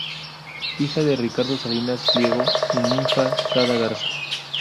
Hija de Ricardo Salinas Pliego y Ninfa Sada Garza.